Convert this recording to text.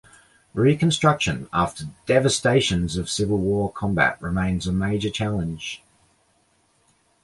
Reconstruction after devastations of civil war combat remains a major challenge.